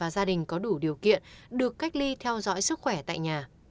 gia đình có đủ điều kiện được cách ly theo dõi sức khỏe tại nhà